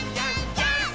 ジャンプ！！